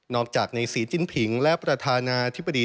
อกจากในศรีจิ้นผิงและประธานาธิบดี